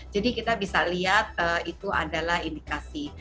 jadi kita bisa lihat itu adalah indikasi